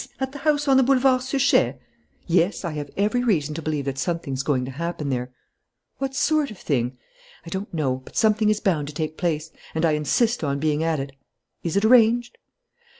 At the house on the Boulevard Suchet?" "Yes, I have every reason to believe that something's going to happen there." "What sort of thing?" "I don't know. But something is bound to take place. And I insist on being at it. Is it arranged?"